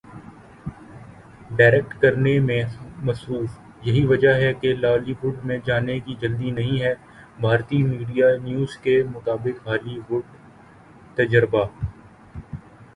direct کرنے میں مصروف یہی وجہ ہے کہ لالی ووڈ میں جانے کی جلدی نہیں ہے بھارتی میڈیا نیوز کے مطابق ہالی ووڈ تجربہ